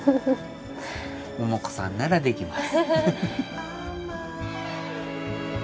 桃子さんならできます。